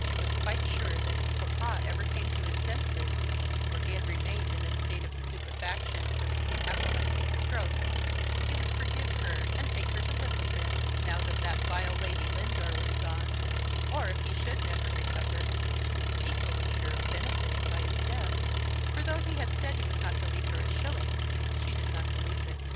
She was quite sure that if papa ever came to his senses (for he had remained in a state of stupefaction since the apoplectic stroke) he would forgive her, and take her to live with him, now that that vile Lady Lindore was gone, or, if he should never recover, she was equally sure of benefiting by his death; for though he had said he was not to leave her a shilling, she did not believe it.